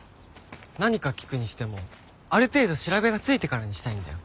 何か聞くにしてもある程度調べがついてからにしたいんだよ。